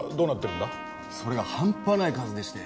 それが半端ない数でして。